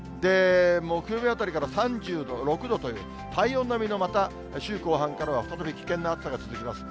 木曜日あたりから３６度という、体温並みの、また週後半からは再び危険な暑さが続きます。